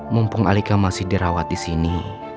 mumpung alika masih dirawat disini